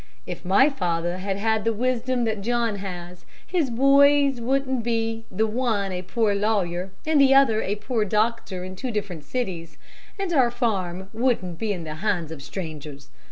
If my father had had the wisdom that John has, his boys wouldn't be the one a poor lawyer and the other a poor doctor in two different cities; and our farm wouldn't be in the hands of strangers.